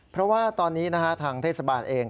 เพราะว่าตอนนี้ทางเทศบาลเอง